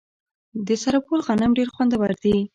د سرپل غنم ډیر خوندور دي.